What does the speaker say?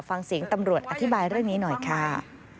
ฟังเสียงตำรวจอธิบายเรื่องนี้หน่อยค่ะ